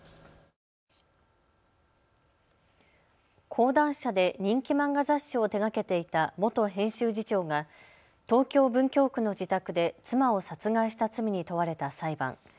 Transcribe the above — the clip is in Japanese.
講談社で人気漫画雑誌を手がけていた元編集次長が東京文京区の自宅で妻を殺害した罪に問われた裁判。